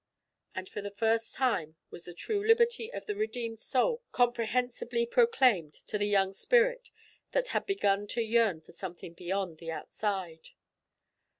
And for the first time was the true liberty of the redeemed soul comprehensibly proclaimed to the young spirit that had begun to yearn for something beyond the outside.